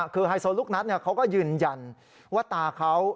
คือไฮโซลูกนัทเขาก็ยืนยันว่าตาเขา